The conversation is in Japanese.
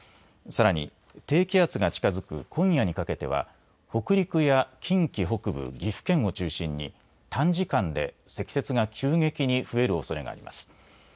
さらに低気圧が近づく今夜にかけては北陸や近畿北部、岐阜県を中心に短時間で積雪が急激に増えるおそれがあります。